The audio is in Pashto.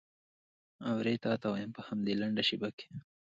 اورې تا ته وایم په همدې لنډه شېبه کې.